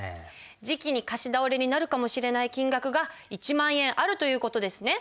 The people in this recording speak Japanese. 次期に貸し倒れになるかもしれない金額が１万円あるという事ですね。